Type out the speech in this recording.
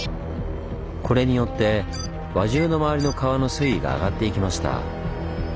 これによって輪中の周りの川の水位が上がっていきました。